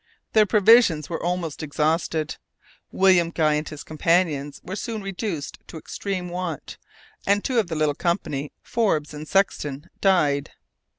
Their provisions were almost exhausted; William Guy and his companions were soon reduced to extreme want, and two of the little company, Forbes and Sexton, died.